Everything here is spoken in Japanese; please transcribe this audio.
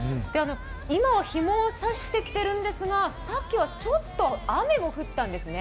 今、日も差してきているんですが、さっきはちょっと雨も降ったんですね。